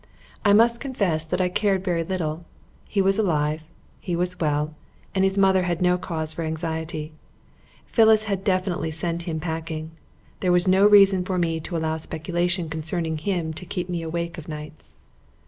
I must confess that I cared very little. He was alive, he was well, and his mother had no cause for anxiety. Phyllis had definitely sent him packing. There was no reason for me to allow speculation concerning him to keep me awake of nights.